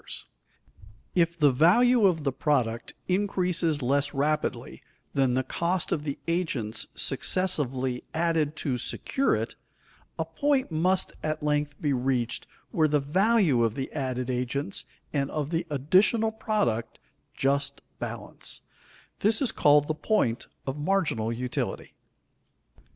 [Sidenote: The marginal utility in goods] If the value of the product increases less rapidly than the cost of the agents successively added to secure it, a point must at length be reached where the value of the added agents and of the additional product just balance; this is called the point of marginal utility.